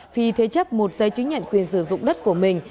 phi thế chấp một giấy chứng nhận quyền sử dụng đất của mình